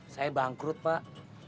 saya bangkrut pak